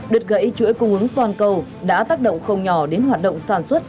đứt gãy chuỗi cung ứng toàn cầu đã tác động không nhỏ đến hoạt động sản xuất